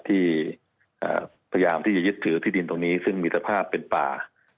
ที่พยายามที่จะยึดถือที่ดินตรงนี้ซึ่งมีสภาพเป็นป่า